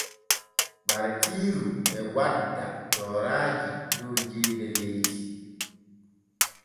Ɓartiiru e wadda tooraaji dow jeyde leydi.